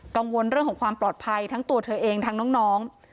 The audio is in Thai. กังวลเรื่องของความปลอดภัยทั้งตัวเธอเองทั้งน้อง